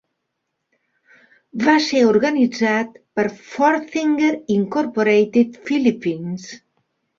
Va ser organitzat per Forthinker Incorporated Philippines.